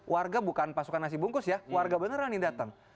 warga bukan pasukan nasi bungkus ya warga beneran ini datang